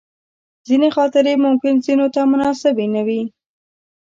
ځینې خاطرې ممکن ځینو ته مناسبې نه وي.